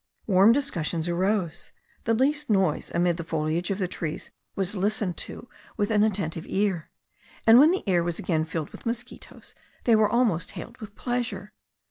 Warm discussions arose; the least noise amid the foliage of the trees was listened to with an attentive ear; and when the air was again filled with mosquitos they were almost hailed with pleasure.